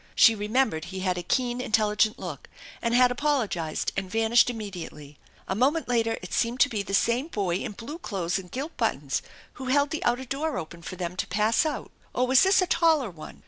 She remembered he had a keen intelligent look, and had apologized and vanished immediately. A moment later it seemed to be the same boy in blue clothes and gilt buttons who held the outer door open for them to pass out or was this a taller one